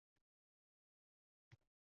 Bo’lganmikin mencha baxtiyor?